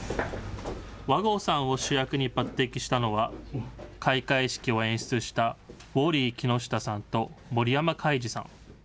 和合さんを主役に抜てきしたのは、開会式を演出した、ウォーリー木下さんと森山開次さん。